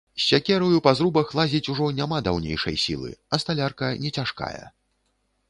З сякераю па зрубах лазіць ужо няма даўнейшай сілы, а сталярка не цяжкая.